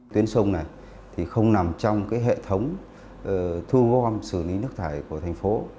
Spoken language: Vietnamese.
tuyến sông này thì không nằm trong hệ thống thu gom xử lý nước thải của thành phố